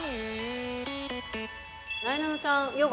なえなのちゃん、ヨガ